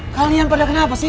kalian pada kenapa sih